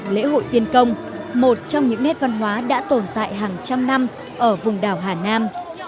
lễ hội tiên công một trong những nét văn hóa đã tồn tại hàng trăm năm ở vùng đảo hà nam